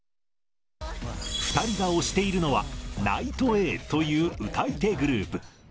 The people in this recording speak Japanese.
２人が推しているのは、ナイトエーという歌い手グループ。